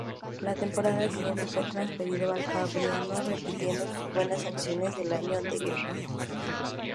La temporada siguiente fue transferido al Fabriano, repitiendo sus buenas actuaciones del año anterior.